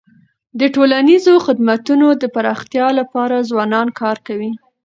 د ټولنیزو خدمتونو د پراختیا لپاره ځوانان کار کوي.